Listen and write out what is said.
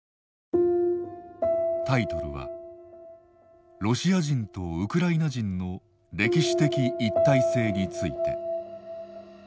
タイトルは「ロシア人とウクライナ人の歴史的一体性について」。